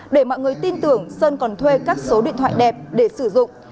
để mọi người tin tưởng sơn còn thuê các số điện thoại đẹp để sử dụng